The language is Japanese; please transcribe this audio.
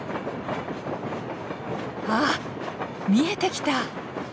あ見えてきた！